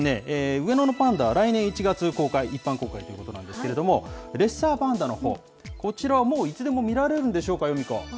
上野のパンダは来年１月、公開、一般公開ということなんですけれども、レッサーパンダのほう、こちらはもういつでも見られるんでしょうか、ヨミ子。